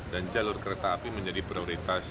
dan jalur kereta api menjadi prioritas